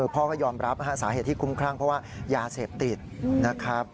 พ่อก็ยอมรับสาเหตุที่คุ้มครั่งเพราะว่ายาเสพติดนะครับ